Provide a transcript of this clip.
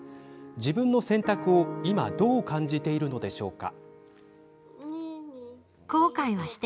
自分の選択を今、どう感じているのでしょうか。